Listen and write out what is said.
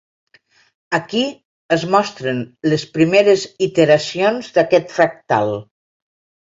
Aquí es mostren les primeres iteracions d'aquest fractal.